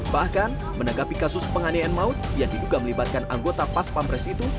bahkan menanggapi kasus penganiayaan maut yang diduga melibatkan anggota pas pampres itu